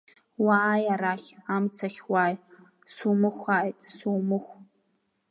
Уааи, арахь амцахь уааи, сумухааит, сумух!